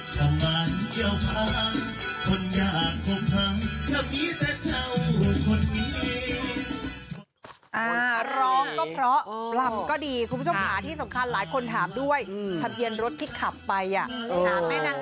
กว่าเที่ยวรอบถ้ามันเกี่ยวพัง